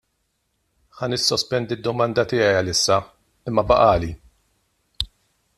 Ħa nissospendi d-domandi tiegħi għalissa, imma baqagħli.